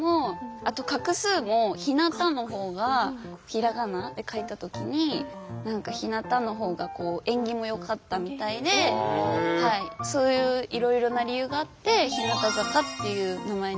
あと画数も「ひなた」の方がひらがなで書いた時に何か「ひなた」の方が縁起もよかったみたいでそういういろいろな理由があって「日向坂」っていう名前になったみたいです。